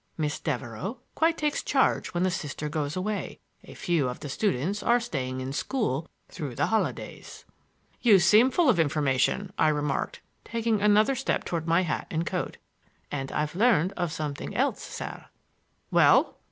Miss Devereux quite takes charge when the Sister goes away. A few of the students are staying in school through the holidays." "You seem full of information," I remarked, taking another step toward my hat and coat. "And I've learned something else, sir." "Well?"